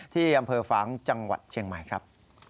ที่อำเภอฟ้างจังหวัดเชียงใหม่ครับ